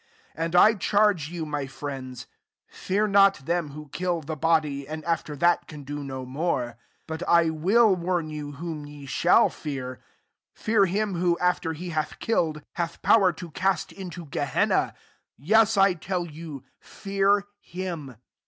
4 ••And I charge you, my Oriends, Fear not them who kill the body, and after that can do Bomore. 5 But I wiU warn you whom ye shall fear: Fear him wkO| after he hath killed^ hath power to cast into Geheima; yes, I tell you. Fear him.